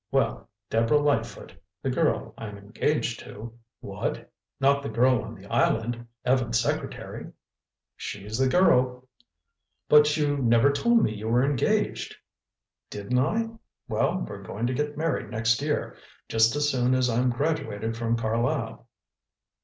Well, Deborah Lightfoot, the girl I'm engaged to—" "What! Not the girl on the island—Evans' secretary?" "She's the girl—" "But you never told me you were engaged!" "Didn't I? Well, we're going to get married next year, just as soon as I'm graduated from Carlisle."